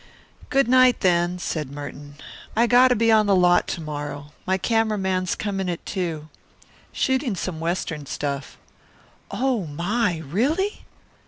"Good night, then," said Merton. "I got to be on the lot to morrow. My camera man's coming at two. Shooting some Western stuff." "Oh, my! Really?"